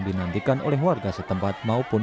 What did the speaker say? dinantikan oleh warga setempat maupun